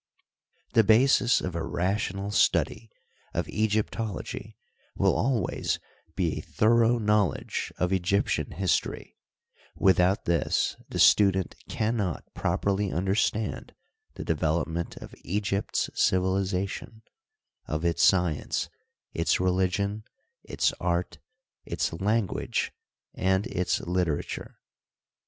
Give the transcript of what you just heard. The basis of a rational study of Egyptology will always be a thorough knowledge of Egyptian history; without this the student can not properly understand the develop ment of Egypt's civilization — of its science, its religion, its art, its language, and its literature.